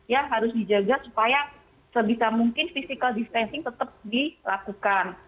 ya harus dijaga supaya sebisa mungkin physical distancing tetap dilakukan